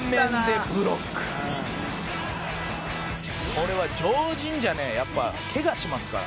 「これは常人じゃねやっぱケガしますから」